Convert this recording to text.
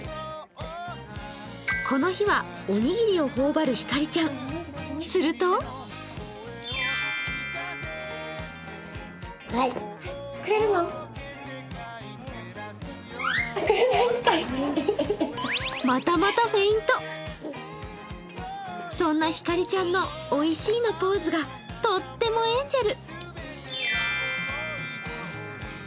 この日はおにぎりをほおばるひかりちゃん、するとそんなひかりちゃんのおいしいのポーズがとってもエンジェル。